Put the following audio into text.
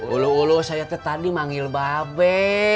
oloh oloh saya tadi manggil baabe